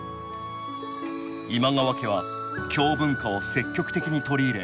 今川家は京文化を積極的に取り入れ